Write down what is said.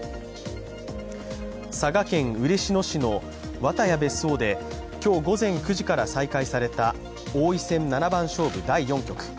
佐賀県嬉野市の和多屋別荘で今日午前９時から再開された王位戦七番勝負第４局。